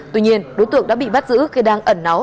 tuy nhiên đối tượng đã bị bắt giữ khi đang ẩn náu